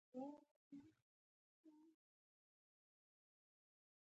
د انګلیسي ژبې زده کړه مهمه ده ځکه چې پریزنټیشن ښه کوي.